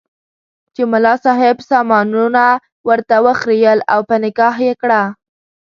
چې ملا صاحب سامانونه ورته وخریېل او په نکاح یې کړه.